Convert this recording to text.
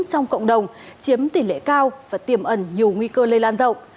trong cộng đồng chiếm tỷ lệ cao và tiềm ẩn nhiều nguy cơ lây lan rộng